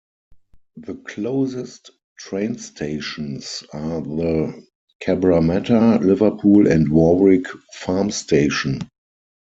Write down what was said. The closest train stations are the Cabramatta, Liverpool and Warwick Farm station.